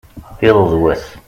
iḍ d wass